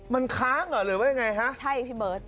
มันค้างหรือเป็นไงใช่พี่เมิ๊ธ